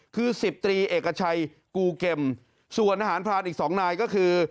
คือสิบตรีเอกชัยกูเกมส่วนทหารพรานอีกสองนายก็คือ